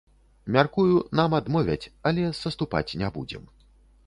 Мяркую, нам адмовяць, але саступаць не будзем.